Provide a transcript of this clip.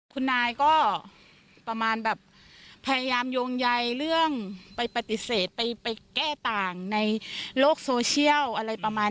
คุณนายก็ประมาณแบบพยายามโยงใยเรื่องไปปฏิเสธไปแก้ต่างในโลกโซเชียลอะไรประมาณ